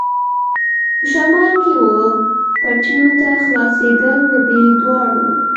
په شمال کې وه پټیو ته خلاصېدل، د دې دواړو.